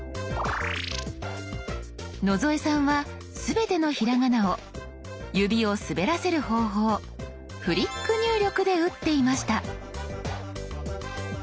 野添さんは全てのひらがなを指を滑らせる方法フリック入力で打っていました。